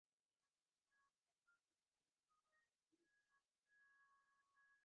তিনি মেক্সিকো হয়ে ব্রাজিলের রাজধানী রিও দি জেনেরিও-তে উপনীত হন।